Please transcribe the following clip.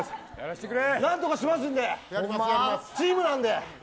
何とかしますんでチームなんで。